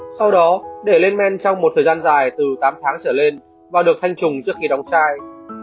sau đó để lên men trong một thời gian dài từ tám tháng trở lên và được thanh trùng trước khi đóng sai